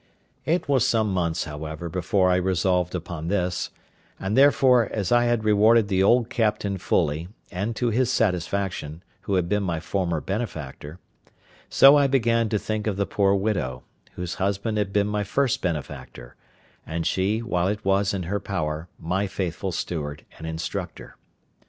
It was some months, however, before I resolved upon this; and, therefore, as I had rewarded the old captain fully, and to his satisfaction, who had been my former benefactor, so I began to think of the poor widow, whose husband had been my first benefactor, and she, while it was in her power, my faithful steward and instructor.